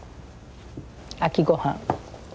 秋ごはん。